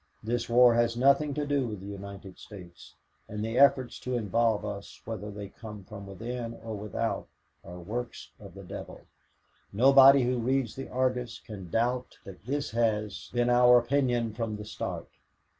This war has nothing to do with the United States, and the efforts to involve us, whether they come from within or without, are works of the devil. Nobody who reads the Argus can doubt that this has been our opinion from the start.